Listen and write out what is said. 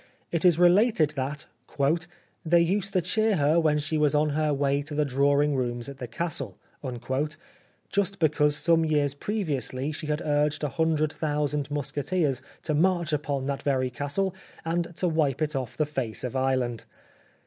It is related that " they used to cheer her when she was on her way to the drawing rooms at the Castle"; just because some years previously she had urged a hundred thousand musketeers to march upon that very Castle, and to wipe it off the face of Ireland.